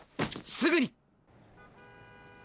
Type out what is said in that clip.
すぐに！